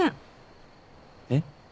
えっ？